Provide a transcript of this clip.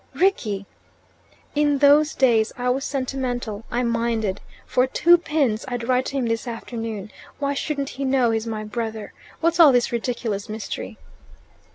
"Rickie!" "In those days I was sentimental. I minded. For two pins I'd write to him this afternoon. Why shouldn't he know he's my brother? What's all this ridiculous mystery?"